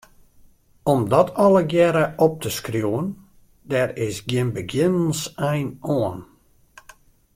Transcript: Om dat allegearre op te skriuwen, dêr is gjin begjinnensein oan.